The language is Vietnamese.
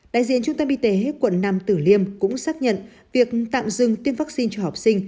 đại diện trung tâm y tế quận nam tử liêm cũng xác nhận việc tạm dừng tiêm vaccine cho học sinh